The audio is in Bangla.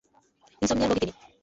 ইনসমনিয়ার রোগী তিনি।